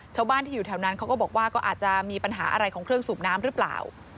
ชาวบ้านที่อยู่แถวนั้นเขาก็บอกว่าก็อาจจะมีปัญหาอะไรของเครื่องสูบน้ำหรือเปล่า